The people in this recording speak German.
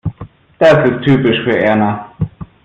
Das ist typisch für Erna.